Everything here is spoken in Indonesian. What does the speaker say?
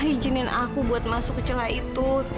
izinin aku buat masuk ke celah itu